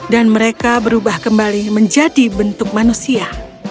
dan mereka berubah kembali menjadi bentuk manusia